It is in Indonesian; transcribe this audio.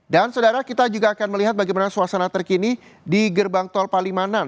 dan saudara kita juga akan melihat bagaimana suasana terkini di gerbang tol palimanan